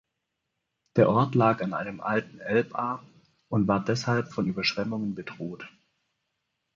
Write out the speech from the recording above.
Der Ort lag an einem alten Elbarm und war deshalb von Überschwemmungen bedroht.